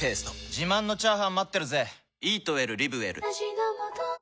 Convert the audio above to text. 自慢のチャーハン待ってるぜ！